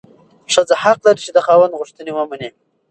ښځه حق لري چې د خاوند غوښتنې ومني.